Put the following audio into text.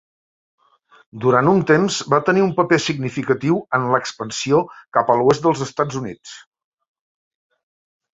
Durant un temps, va tenir un paper significatiu en l'expansió cap a l'oest dels Estats Units.